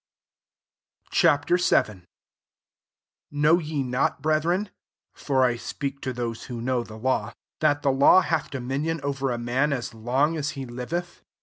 Ch. VII. 1 Know ye not> brethren, (for I speak to those who know the law,) that the law hath dominion over a man as long as he liveth